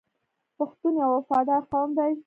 پښتون یو وفادار قوم دی.